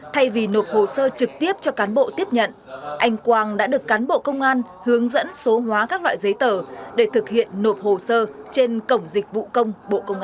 thay vì nộp hồ sơ trực tiếp cho cán bộ tiếp nhận anh quang đã được cán bộ công an hướng dẫn số hóa các loại giấy tờ để thực hiện nộp hồ sơ trên cổng dịch vụ công bộ công an